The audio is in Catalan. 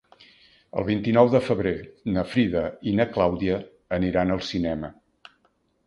El vint-i-nou de febrer na Frida i na Clàudia aniran al cinema.